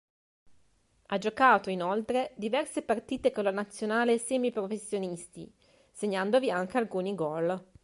Ha giocato inoltre diverse partite con la nazionale semiprofessionisti, segnandovi anche alcuni gol.